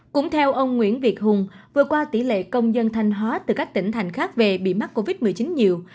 cũng theo ông nguyễn việt hùng vừa qua tỷ lệ công dân thanh hóa từ các tỉnh thành khác về bị mắc covid một mươi chín nhiều